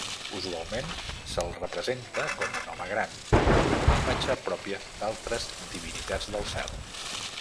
Usualment se'l representa com un home gran, en una imatge pròpia d'altres divinitats del cel.